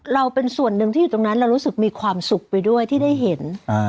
เราเป็นส่วนหนึ่งที่อยู่ตรงนั้นเรารู้สึกมีความสุขไปด้วยที่ได้เห็น